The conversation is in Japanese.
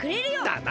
だな！